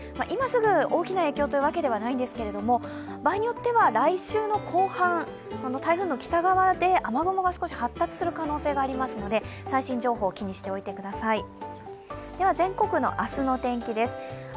今すぐ大きな影響というわけではないんですけれども、場合によっては来週の後半、台風の北側で雨雲が少し発達する可能性がありますので最新情報、気にしておいてください